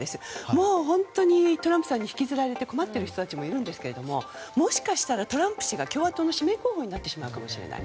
もう本当にトランプさんに引きずられて困っている人もいるわけなんですがもしかしたらトランプ氏が共和党の指名候補になってしまうかもしれない。